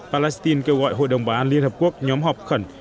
palestine kêu gọi hội đồng bảo an liên hợp quốc nhóm họp khẩn